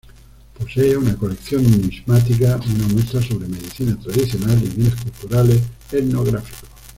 Posee una colección numismática, una muestra sobre medicina tradicional y bienes culturales etnográficos.